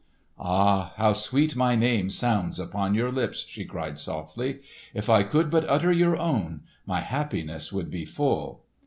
"Ah, how sweet my name sounds upon your lips!" she cried softly. "If I could but utter your own, my happiness would be full."